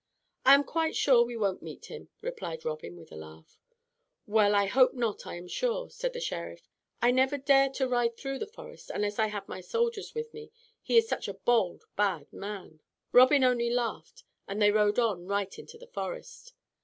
"I am quite sure we won't meet him," replied Robin with a laugh. "Well, I hope not, I am sure," said the Sheriff. "I never dare to ride through the forest unless I have my soldiers with me. He is a bold, bad man." Robin only laughed, and they rode on right into the forest.